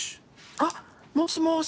あっもしもし。